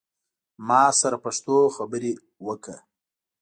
ما سره پښتو خبری اوکړه